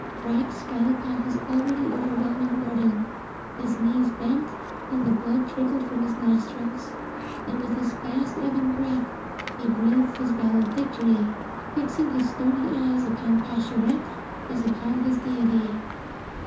Rocks fell upon his already overwhelming burden; his knees bent, and the blood trickled from his nostrils. And with his fast ebbing breath he breathed his valedictory, fixing his stony eyes upon Pascherette as upon his deity.